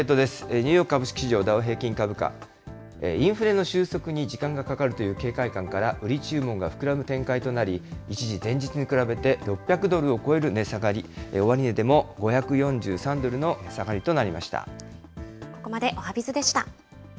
ニューヨーク株式市場ダウ平均株価、インフレの収束に時間がかかるという警戒感から売り注文が膨らむ展開となり、一時、前日に比べて６００ドルを超える値下がり、終値でも５４３ドルの値下がりとなりました。